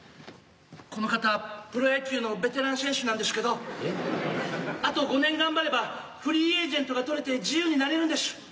この方プロ野球のベテラン選手なんでしゅけどあと５年頑張ればフリーエージェントが取れて自由になれるんでしゅ。